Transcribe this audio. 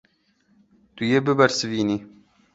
Tu yê bibersivînî.